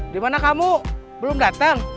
di mana kamu belum datang